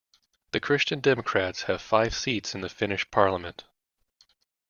The Christian Democrats have five seats in the Finnish Parliament.